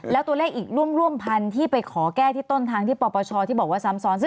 แล้วตัวเลขอีกร่วมพันที่ไปขอแก้ที่ต้นทางที่ปปชที่บอกว่าซ้ำซ้อน